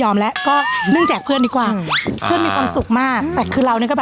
มันคือจริงแล้วอะค่ะ